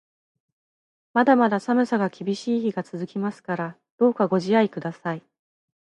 まだまだ寒さが厳しい日が続きますから、どうかご自愛ください。